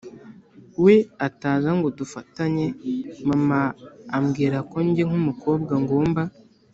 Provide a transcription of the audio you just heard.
we ataza ngo dufatanye, mama ambwira ko nge nk’umukobwa ngomba